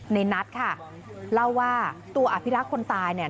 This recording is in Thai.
ในนัทค่ะเล่าว่าตัวอภิรักษ์คนตายเนี่ย